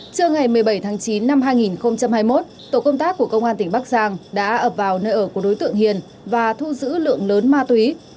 trưa ngày một mươi bảy tháng chín năm hai nghìn hai mươi một tổ công tác của công an tỉnh bắc giang đã ập vào nơi ở của đối tượng hiền và thu giữ lượng lớn ma túy